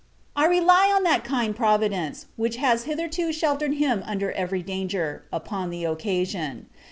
I rely on that kind Providence, which has hitherto sheltered him under every danger, upon the occasion.